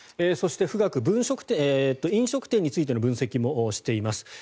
そして、富岳飲食店についての分析もしています。